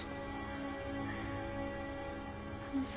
あのさ。